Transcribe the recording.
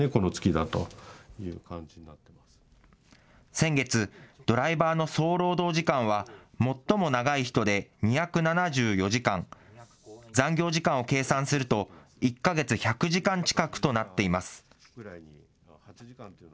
先月、ドライバーの総労働時間は、最も長い人で２７４時間、残業時間を計算すると、１か月１００時間近くとなっています。